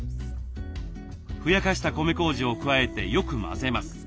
ふやかした米こうじを加えてよく混ぜます。